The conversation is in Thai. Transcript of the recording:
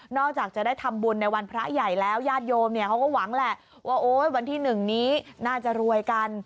จากจะได้ทำบุญในวันพระใหญ่แล้วญาติโยมเขาก็หวังแหละว่าโอ๊ยวันที่๑นี้น่าจะรวยกัน